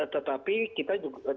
tetapi kita juga